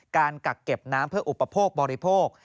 กักเก็บน้ำเพื่ออุปโภคบริโภค